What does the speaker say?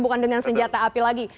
bukan dengan senjata api lagi